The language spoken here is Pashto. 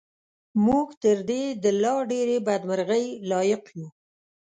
موږ تر دې د لا ډېرې بدمرغۍ لایق یو.